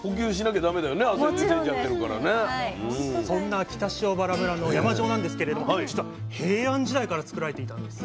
そんな北塩原村の山塩なんですけれども実は平安時代からつくられていたんです。